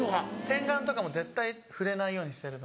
洗顔とかも絶対触れないようにしてるので。